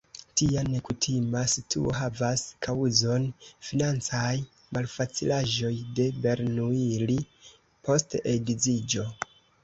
Tia nekutima situo havas kaŭzon: financaj malfacilaĵoj de Bernoulli post edziĝo.